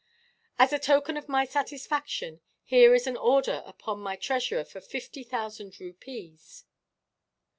"As a token of my satisfaction, here is an order upon my treasurer for fifty thousand rupees."